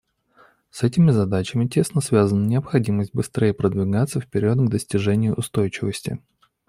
С этими задачами тесно связана и необходимость быстрее продвигаться вперед к достижению устойчивости.